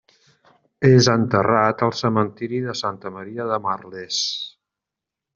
És enterrat al cementiri de Santa Maria de Merlès.